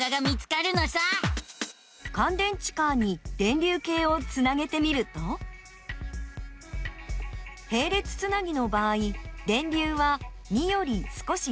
かん電池カーに電流計をつなげてみるとへい列つなぎの場合電流は２より少し小さくなっています。